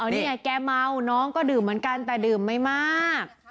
เนี่ยแกเมาน้องก็ดื่มเหมือนกันแต่ดื่มไม่มาก